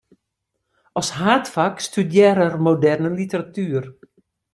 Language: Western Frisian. As haadfak studearret er moderne literatuer.